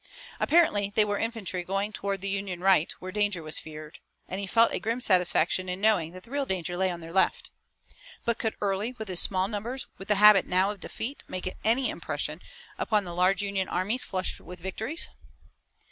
Apparently they were infantry going toward the Union right, where danger was feared, and he felt a grim satisfaction in knowing that the real danger lay on their left. But could Early with his small numbers, with the habit now of defeat, make any impression upon the large Union armies flushed with victories?